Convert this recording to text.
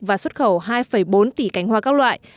và xuất khẩu hai bốn tỷ cành hoa các loại